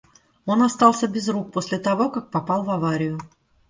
Он остался без рук после того, как попал в аварию.